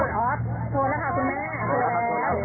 สวัสดีครับ